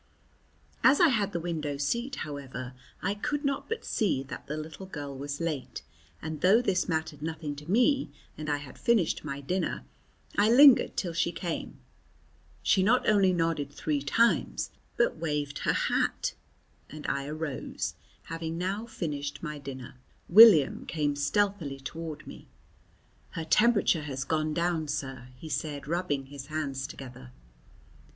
As I had the window seat, however, I could not but see that the little girl was late, and though this mattered nothing to me and I had finished my dinner, I lingered till she came. She not only nodded three times but waved her hat, and I arose, having now finished my dinner. William came stealthily toward me. "Her temperature has gone down, sir," he said, rubbing his hands together.